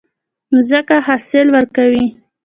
ځمکه حاصل ورکوي.